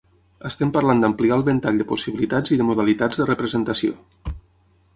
Estem parlant d’ampliar el ventall de possibilitats i de modalitats de representació.